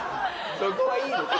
そこはいいですよ。